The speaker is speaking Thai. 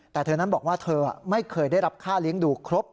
แต่เธอนั้นบอกว่าเธอไม่เคยได้รับค่าเลี้ยงดูครบ